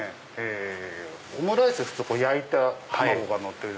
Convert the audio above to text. オムライス普通焼いた卵がのってる。